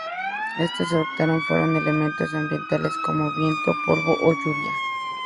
Estos efectos fueron elementos ambientales como viento, polvo o lluvia.